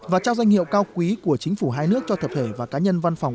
và trao danh hiệu cao quý của chính phủ hai nước cho thập thể và cá nhân văn phòng